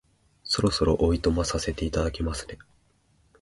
そろそろお暇させていただきますね